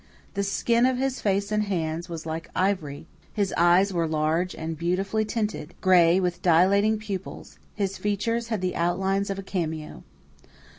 The skin of his face and hands was like ivory; his eyes were large and beautifully tinted gray, with dilating pupils; his features had the outlines of a cameo.